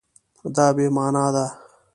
دا بې مانا ده